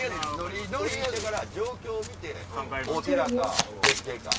海苔行ってから状況を見てお寺か絶景か。